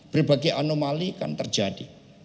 berbagai anomali akan terjadi